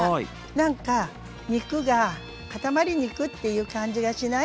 なんか肉が塊肉っていう感じがしない？